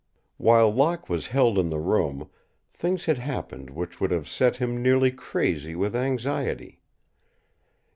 While Locke was held in the room things had happened which would have set him nearly crazy with anxiety.